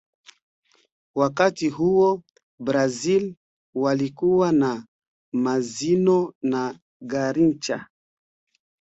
Wakati huo brazil walikuwa na mazinho na garincha